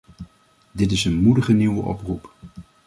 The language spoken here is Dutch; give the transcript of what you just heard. Dit is een moedige nieuwe oproep.